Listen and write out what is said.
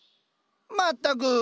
まったく。